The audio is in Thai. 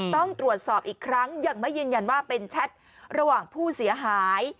ต้องตรวจสอบอีกครั้งยังไม่ยืนยันว่าเป็นแชทระหว่างผู้เสียหาย